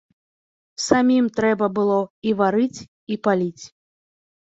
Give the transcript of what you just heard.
Самім трэба было і варыць і паліць.